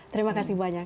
terima kasih banyak